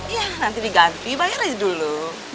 iya nanti diganti bayar aja dulu